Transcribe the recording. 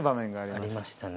ありましたね。